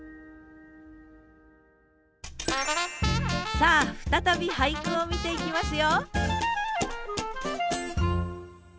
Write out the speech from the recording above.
さあ再び俳句を見ていきますよ！